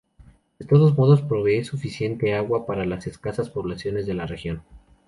De todos modos, provee suficiente agua para las escasas poblaciones de la región.